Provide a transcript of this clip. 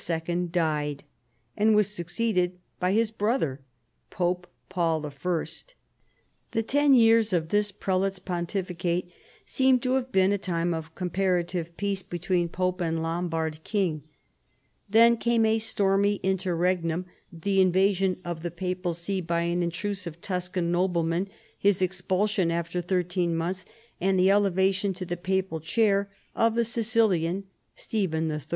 died, and was succeeded by his brother Paul I. The ten years of this prelate's pontificate seem to have been a time of comparative peace between pope and Lorn FALL OF THE LOMBARD MONARCHY. 115 bard king. Then came a stormy interregnum, the invasion of the papal see by an intrusive Tuscan noble man, his expulsion after thirteen months, and the elevation to the papal chair of the Sicilian, Stephen III.